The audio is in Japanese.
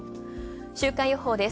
週間予報です。